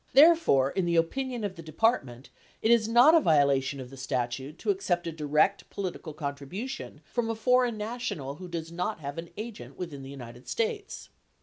Therefore, in the opinion of the Depart ment, it is not a violation of the statute to accept a direct political con tribution from a foreign national who does not have an agent within the United States.